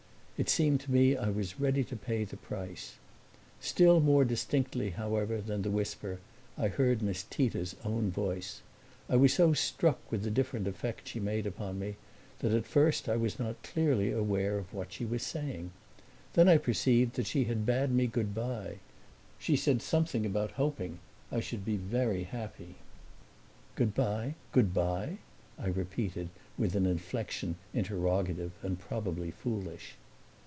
It seemed to me I was ready to pay the price. Still more distinctly however than the whisper I heard Miss Tita's own voice. I was so struck with the different effect she made upon me that at first I was not clearly aware of what she was saying; then I perceived she had bade me goodbye she said something about hoping I should be very happy. "Goodbye goodbye?" I repeated with an inflection interrogative and probably foolish.